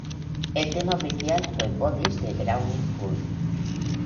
El tema oficial fue ""Bodies"" de Drowning Pool.